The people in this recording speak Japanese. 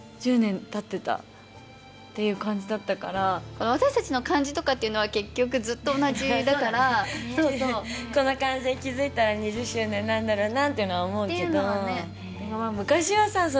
１０年たってたっていう感じだったから私たちの感じとかっていうのは結局ずっと同じだからそうだねこの感じでそうそう気づいたら２０周年なんだろうなっていうのは思うけどでもまあ昔はさ